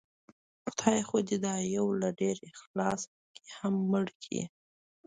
خدای خو دې دا يو له ډېر اخلاصه پکې هم مړ کړي